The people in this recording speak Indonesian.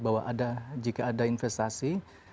bahwa jika ada investasi